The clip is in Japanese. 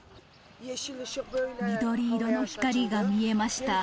緑色の光が見えました。